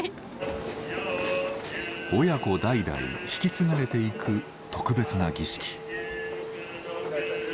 親子代々引き継がれていく特別な儀式。